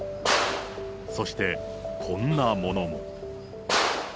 そして、こんなものも。